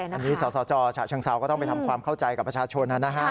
อันนี้สสจฉะเชิงเซาก็ต้องไปทำความเข้าใจกับประชาชนนะฮะ